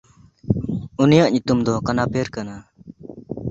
ᱩᱱᱤᱭᱟᱜ ᱧᱩᱛᱩᱢ ᱫᱚ ᱠᱟᱱᱟᱯᱮᱨ ᱠᱟᱱᱟ᱾